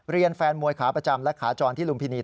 เรียนแฟนมวยขาประจำซ์และขาจรภ์ที่ลุมพินี